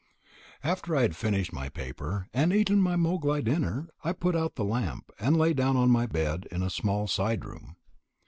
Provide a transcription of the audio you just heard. After I had finished my paper and eaten my moghlai dinner, I put out the lamp, and lay down on my bed in a small side room.